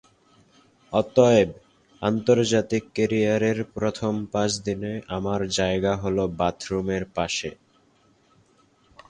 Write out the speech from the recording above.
অতএব, আন্তর্জাতিক ক্যারিয়ারের প্রথম পাঁচ দিনে আমার জায়গা হলো বাথরুমের পাশে।